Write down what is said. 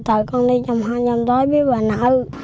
thôi con đi trồng hành trồng tỏi với bà nội